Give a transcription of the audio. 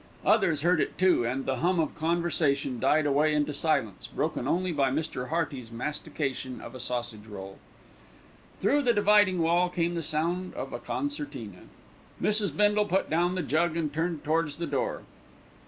Others heard it too, and the hum of conversation died away into silence, broken only by Mr. Hearty's mastication of a sausage roll. Through the dividing wall came the sound of a concertina. Mrs. Bindle put down the jug and turned towards the door.